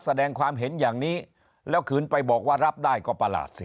แสดงความเห็นอย่างนี้แล้วขืนไปบอกว่ารับได้ก็ประหลาดสิ